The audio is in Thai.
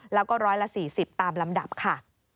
แล้วก็ร้อยละ๔๐ตามลำดับค่ะ